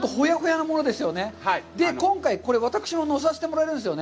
今回これ、私も乗させてもらえますよね。